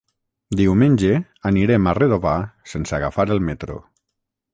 Diumenge anirem a Redovà sense agafar el metro.